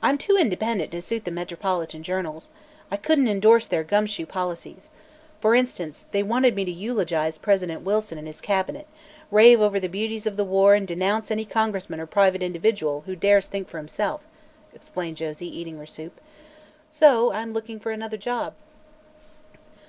"I'm too independent to suit the metropolitan journals. I couldn't endorse their gumshoe policies. For instance, they wanted me to eulogize President Wilson and his cabinet, rave over the beauties of the war and denounce any congressman or private individual who dares think for himself," explained Josie, eating her soup the while. "So I'm looking for another job."